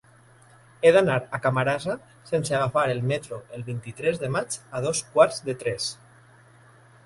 He d'anar a Camarasa sense agafar el metro el vint-i-tres de maig a dos quarts de tres.